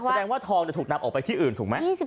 แสดงว่าทองจะถูกนำออกไปที่อื่นถูกไหม